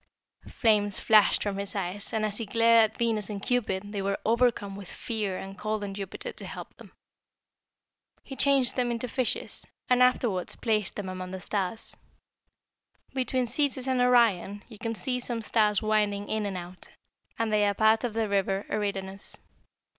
Flames flashed from his eyes, and as he glared at Venus and Cupid they were overcome with fear and called on Jupiter to help them. He changed them into fishes, and afterward placed them among the stars. "Between Cetus and Orion you can see some stars winding in and out, and they are part of the River Eridanus.